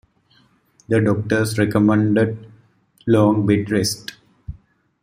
The doctors recommended long bed rest.